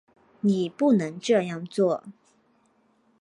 你不能这样做